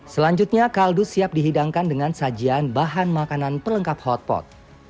selanjutnya kaldu siap dihidangkan dengan sajian bahan makanan pelengkap hotpot